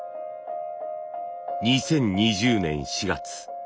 ２０２０年４月。